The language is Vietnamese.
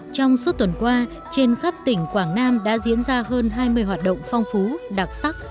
trong suốt tuần qua trên khắp tỉnh quảng nam đã diễn ra hơn hai mươi hoạt động phong phú đặc sắc